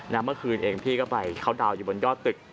เมื่อคืนเองพี่ก็ไปเข้าดาวน์อยู่บนยอดตึก